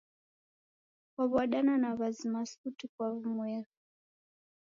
Kuw'adana na w'azima suti kwa w'umweri.